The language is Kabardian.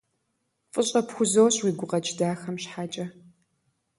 ФӀыщӀэ пхузощӀ уи гукъэкӀ дахэм щхьэкӀэ.